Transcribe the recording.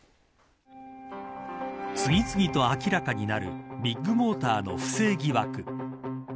次々と明らかになるビッグモーターの不正疑惑。